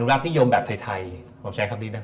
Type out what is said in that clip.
รัฐนิยมแบบไทยผมใช้คำนี้นะ